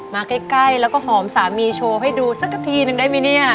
มาใกล้แล้วก็หอมสามีโชว์ให้ดูสักทีนึงได้ไหมเนี่ย